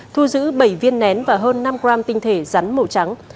thu giữ bảy viên nén và hơn năm gram tinh thể rắn màu trắng